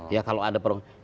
ya kalau ada program